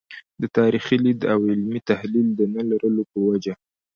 د تاریخي لید او علمي تحلیل د نه لرلو په وجه.